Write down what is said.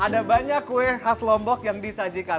ada banyak kue khas lombok yang disajikan